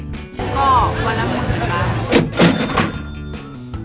ก็วันหนึ่งก็ได้